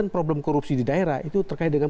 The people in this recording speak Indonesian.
problem korupsi di daerah itu terkait dengan